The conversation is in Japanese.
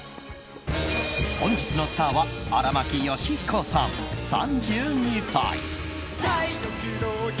本日のスターは荒牧慶彦さん、３２歳。